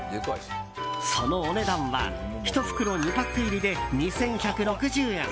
そのお値段は１袋２パック入りで２１６０円！